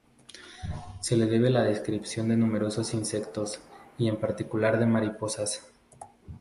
Se le debe la descripción de numerosos insectos y en particular de mariposas.